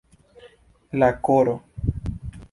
La koro.